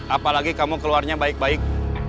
apalagi kamu keluarnya baik baik